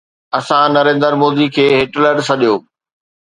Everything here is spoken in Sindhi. اسان نريندر مودي کي هٽلر سڏيو.